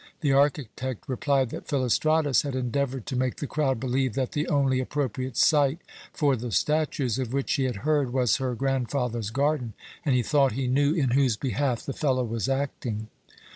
The architect replied that Philostratus had endeavoured to make the crowd believe that the only appropriate site for the statues of which she had heard was her grandfather's garden, and he thought he knew in whose behalf the fellow was acting.